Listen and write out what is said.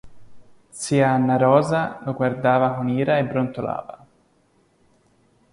Zia Anna-Rosa lo guardava con ira e brontolava.